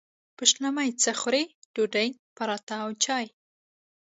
پیشلمۍ څه خورئ؟ ډوډۍ، پراټه او چاي